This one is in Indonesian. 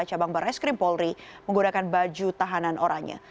cabang barai skrimpolri menggunakan baju tahanan oranya